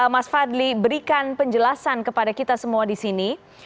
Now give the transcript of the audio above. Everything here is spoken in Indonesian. mas fadli berikan penjelasan kepada kita semua di sini